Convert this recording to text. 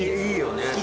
いいよね。